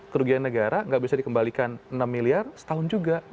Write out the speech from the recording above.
kerugian negara nggak bisa dikembalikan enam miliar setahun juga